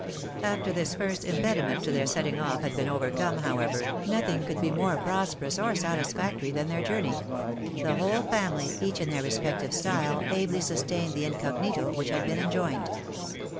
After this first impediment to their setting oS had been overcome, however, nothing could be more prosperous or satisfactory than their journey ; the whole family, each in their respective style, ably sustained the incognito which had been enjoined.